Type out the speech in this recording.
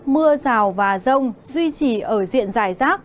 mưa rào và rông duy trì ở diện dài rác